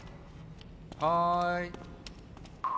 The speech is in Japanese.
はい！